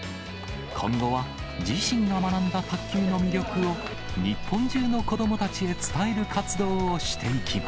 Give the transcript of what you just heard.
今後は自身が学んだ卓球の魅力を日本中の子どもたちへ伝える活動